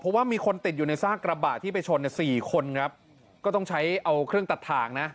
เพราะว่ามีคนติดอยู่ในซากกระบะที่ไปชนสี่คนครับก็ต้องใช้เอาเครื่องตัดทางนะ